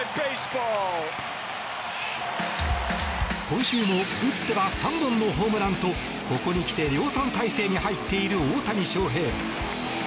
今週も打っては３本のホームランとここに来て量産態勢に入っている大谷翔平。